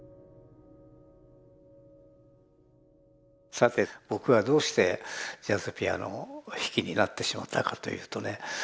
さて僕がどうしてジャズピアノ弾きになってしまったかというとね